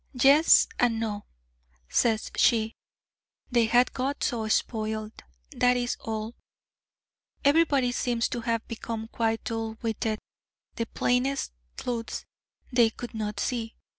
'Yes, and no,' says she: 'they had got so spoiled, that is all. Everlybody seems to have become quite dull witted the plainest tluths they could not see.